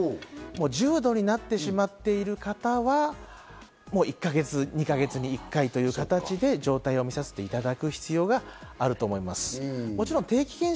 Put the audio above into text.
重度になってしまっている方は１か月に１回、２か月に１回という形で状態を見させていただく必要があると思います。